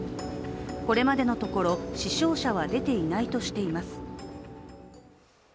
これまでのところ死傷者は出ていないとしています。